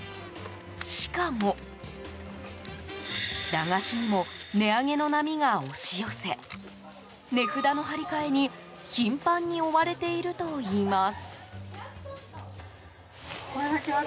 しかも、駄菓子にも値上げの波が押し寄せ値札の貼り替えに頻繁に追われているといいます。